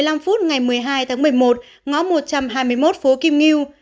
một mươi h một mươi năm phút ngày một mươi hai tháng một mươi một ngõ một trăm hai mươi một phố kim nghiu